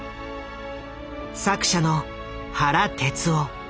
作者の原哲夫。